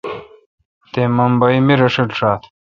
تے بمبئ می راݭل ݭات۔